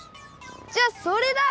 じゃあそれだ！